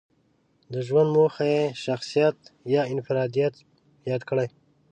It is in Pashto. د ژوند موخه یې شخصيت يا انفراديت ياد کړی.